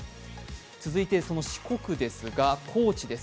続いてその四国ですが、高知です。